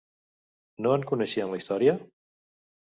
No en coneixien la història?